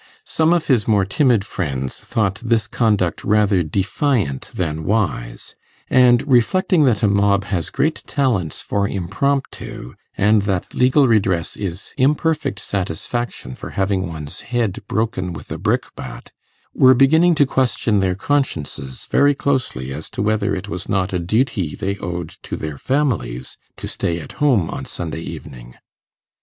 Some of his more timid friends thought this conduct rather defiant than wise, and reflecting that a mob has great talents for impromptu, and that legal redress is imperfect satisfaction for having one's head broken with a brickbat, were beginning to question their consciences very closely as to whether it was not a duty they owed to their families to stay at home on Sunday evening.